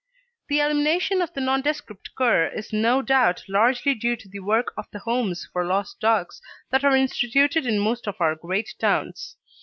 The elimination of the nondescript cur is no doubt largely due to the work of the homes for lost dogs that are instituted in most of our great towns.